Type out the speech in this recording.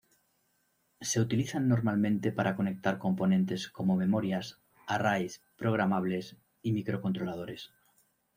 Se utilizan normalmente para conectar componentes como memorias, "arrays" programables y microcontroladores.